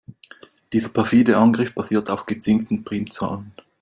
Dieser perfide Angriff basiert auf gezinkten Primzahlen.